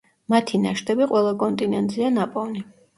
მათი ნაშთები ყველა კონტინენტზეა ნაპოვნი.